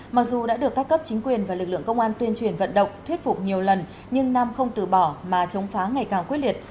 mặc dù đã được các cấp chính quyền và lực lượng công an tuyên truyền vận động thuyết phục nhiều lần nhưng nam không từ bỏ mà chống phá ngày càng quyết liệt